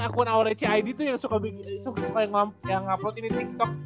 akun aurece id tuh yang suka ngeupload ini tiktok